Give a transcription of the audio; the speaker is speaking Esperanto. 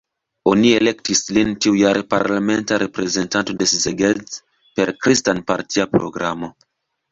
Oni elektis lin tiujare parlamenta reprezentanto de Szeged, per kristan-partia programo.